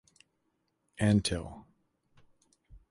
Antill.